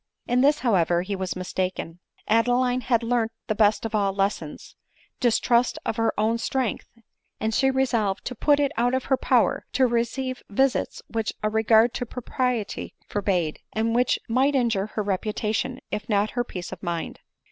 In this, however, he was mistaken ; Adeline had learnt the best of all lessons — distrust of her own strength ;— and she resolved to put it out of her power to receive visits which a regard to propriety forbade, and whieh 23 £0g ADELINE MOWBRAY. might injure her reputation, if not her peace of mind.